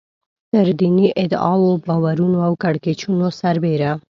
تر دیني ادعاوو، باورونو او کړکېچونو سربېره.